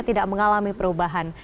tidak mengalami perubahan